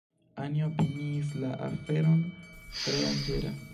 Anjo opiniis la aferon tro danĝera.